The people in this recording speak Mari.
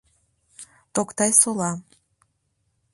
— Токтай-Сола.